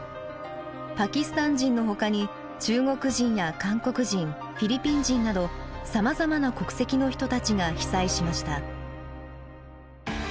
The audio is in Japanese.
パキスタン人のほかに中国人や韓国人フィリピン人などさまざまな国籍の人たちが被災しました。